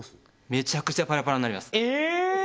めちゃくちゃパラパラになりますえ